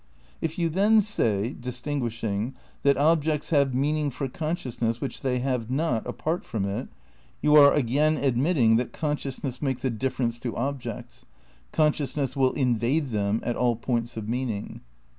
If you then say, distinguishing, that objects have meaning for consciousness which they have not apart from it, you are again admitting that consciousness makes a difference to objects; consciousness will in vade them at all points of meaning.